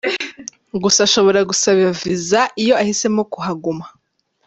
Gusa ashobora gusaba viza iyo ahisemo kuhaguma.